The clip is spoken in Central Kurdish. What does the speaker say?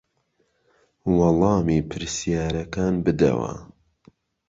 وەڵامی پرسیارەکان بدەوە.